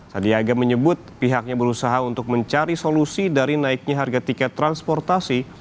sandiaga menyebut pihaknya berusaha untuk mencari solusi dari naiknya harga tiket transportasi